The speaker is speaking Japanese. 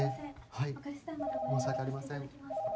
はい申し訳ありません。